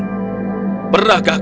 pernahkah kau mencari mimpi goblin